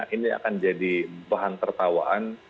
ini akan jadi bahan tertawaan